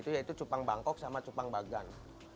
yaitu cupang bangkok sama cupang bagan